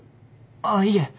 あっいえ。